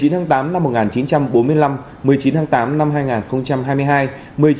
một mươi tháng tám năm một nghìn chín trăm bốn mươi năm một mươi chín tháng tám năm hai nghìn hai mươi hai